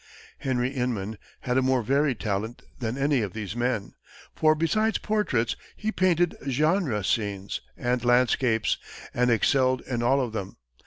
Henry Inman had a more varied talent than any of these men, for besides portraits he painted genre scenes and landscapes, and excelled in all of them.